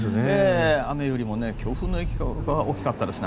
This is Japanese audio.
雨よりも強風の影響が大きかったですね。